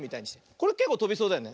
これけっこうとびそうだよね。